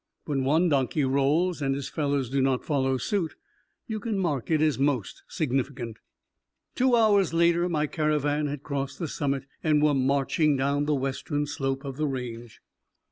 When one donkey rolls and his fellows do not follow suit, you can mark it as most significant. Two hours later my caravan had crossed the summit and were marching down the western slope of the range.